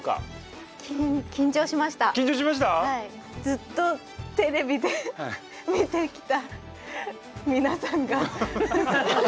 ずっとテレビで見てきた皆さんが。